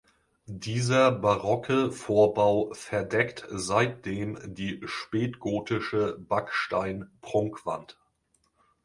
Dieser barocke Vorbau verdeckt seitdem die spätgotische Backstein-Prunkwand.